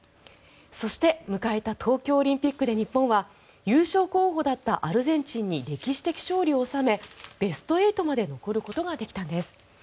そして迎えた東京オリンピックで日本は優勝候補だったアルゼンチンに歴史的勝利を収めベスト８まで残ることができたんです。